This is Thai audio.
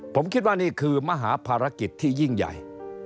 ผมคิดว่านี่คือมหาภารกิจที่ยิ่งใหญ่